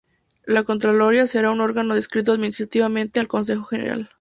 La Contraloría será un órgano adscrito administrativamente al Consejo General.